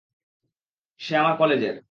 সে আমার কলেজের।